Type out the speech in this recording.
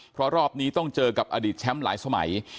เพราะรอบนี้ต้องเจอกับอดีตแชมป์หลายสมัย